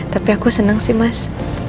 tapi aku senang sih mas